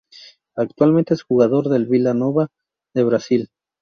Actualmente es jugador del Vila Nova de Brasil.